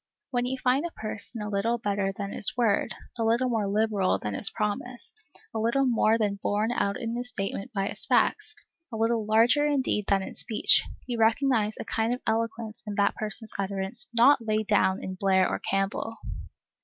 When you find a person a little better than his word, a little more liberal than his promise, a little more than borne out in his statement by his facts, a little larger in deed than in speech, you recognize a kind of eloquence in that person's utterance not laid down in Blair or Campbell.